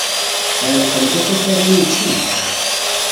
Ɛellqent akatar-nni yetti.